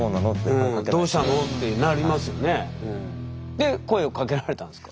で声をかけられたんですか？